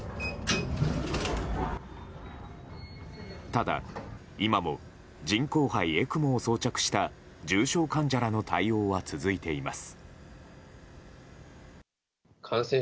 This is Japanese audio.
ただ、今も人工肺・ＥＣＭＯを装着した重症患者らの対応は続いています。